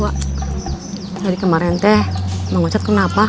wah hari kemarin teh mau ngocet kenapa